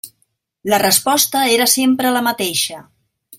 La resposta era sempre la mateixa.